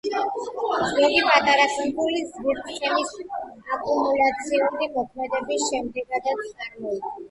ზოგი პატარა კუნძული ზვირთცემის აკუმულაციური მოქმედების შედეგადაც წარმოიქმნება.